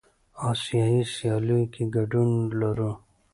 آسیایي سیالیو کې ګډون لرو.